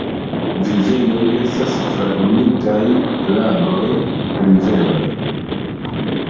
Vivejoj estas fragmitaj lagoj, riveroj.